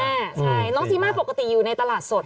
ใช่น้องซีมาปกติอยู่ในตลาดสด